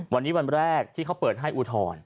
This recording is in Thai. วันนี้วันแรกที่เขาเปิดให้อุทธรณ์